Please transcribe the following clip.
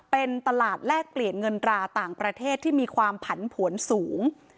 เป็นตลาดแลกเปลี่ยนเงินตราต่างประเทศที่มีความผันผวนสูง